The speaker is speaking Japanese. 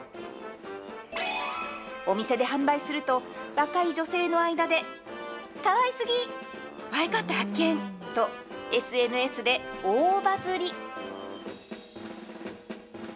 お店で販売すると、若い女性の間で、かわいすぎ、映えカップ発見！とＳＮＳで大バズり。